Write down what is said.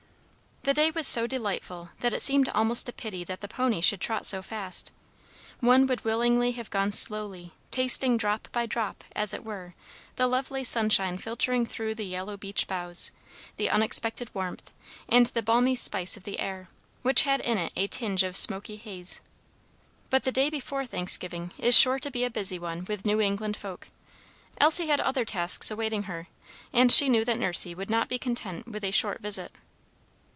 The day was so delightful that it seemed almost a pity that the pony should trot so fast. One would willingly have gone slowly, tasting drop by drop, as it were, the lovely sunshine filtering through the yellow beech boughs, the unexpected warmth, and the balmy spice of the air, which had in it a tinge of smoky haze. But the day before Thanksgiving is sure to be a busy one with New England folk; Elsie had other tasks awaiting her, and she knew that Nursey would not be content with a short visit.